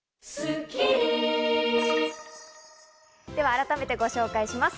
改めてご紹介します。